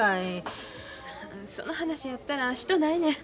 その話やったらしとうないねん。